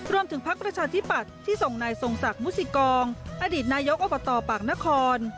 พักประชาธิปัตย์ที่ส่งนายทรงศักดิ์มุสิกองอดีตนายกอบตปากนคร